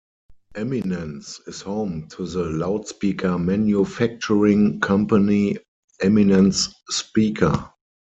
Eminence is home to the loudspeaker manufacturing company, Eminence Speaker.